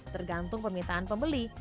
tergantung permintaan pembeli